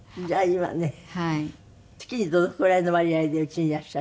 月にどのくらいの割合で家にいらっしゃる？